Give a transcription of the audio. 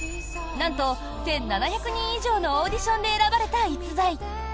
なんと１７００人以上のオーディションで選ばれた逸材。